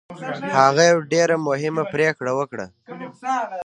هغه یوه ډېره مهمه پرېکړه وکړه